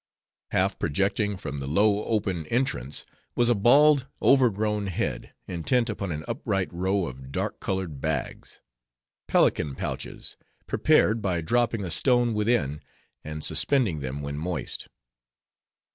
Half projecting from the low, open entrance, was a bald overgrown head, intent upon an upright row of dark colored bags:— pelican pouches—prepared by dropping a stone within, and suspending them, when moist.